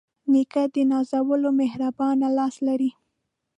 نیکه د نازولو مهربانه لاس لري.